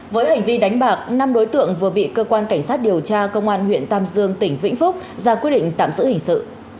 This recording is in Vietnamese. với hành vi đánh bạc năm đối tượng vừa bị cơ quan cảnh sát điều tra công an huyện tam dương tỉnh vĩnh phúc ra quyết định tạm giữ hình sự